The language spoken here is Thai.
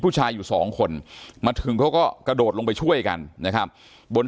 ผู้ชายอยู่สองคนมาถึงเขาก็กระโดดลงไปช่วยกันนะครับบน